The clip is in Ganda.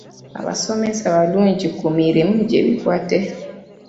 Abasomesa balungi ku mirimu gy'ebikwate.